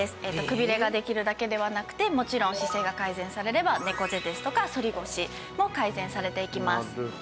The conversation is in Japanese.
くびれができるだけではなくてもちろん姿勢が改善されれば猫背ですとか反り腰も改善されていきます。